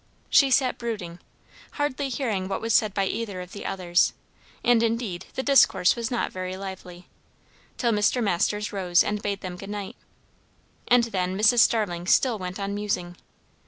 She sat brooding, hardly hearing what was said by either of the others: and indeed, the discourse was not very lively; till Mr. Masters rose and bade them good night. And then Mrs. Starling still went on musing.